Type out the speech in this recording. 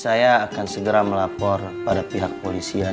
saya akan segera melapor pada pihak polisian